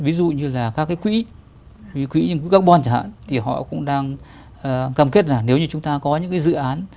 ví dụ như các quỹ quỹ carbon chẳng hạn họ cũng đang cam kết là nếu chúng ta có những dự án